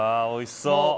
おいしそう。